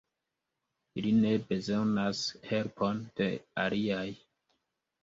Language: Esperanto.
Ili ne bezonas helpon de aliaj.